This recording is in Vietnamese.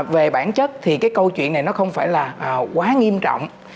về bản chất thì cái câu chuyện này nó không phải là quá nghiêm trọng